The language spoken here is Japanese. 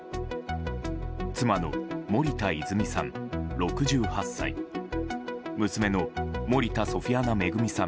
妻の森田泉さん、６８歳娘の森田ソフィアナ恵さん